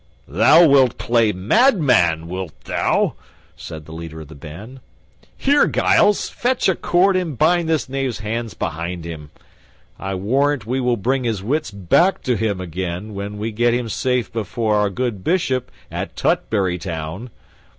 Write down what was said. "Thou wilt play madman, wilt thou?" said the leader of the band. "Here, Giles, fetch a cord and bind this knave's hands behind him. I warrant we will bring his wits back to him again when we get him safe before our good Bishop at Tutbury Town."